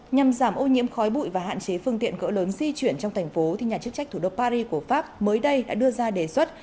nhằm giảm ô nhiễm khói bụi và hạn chế phương tiện cỡ lớn di chuyển trong thành phố nhà chức trách thủ đô paris của pháp mới đây đã đưa ra đề xuất